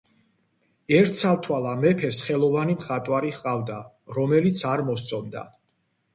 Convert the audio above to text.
ერთ ცალთვალა მეფეს ხელოვანი მხატვარი ჰყავდა., რომელიც არ მოსწონდა.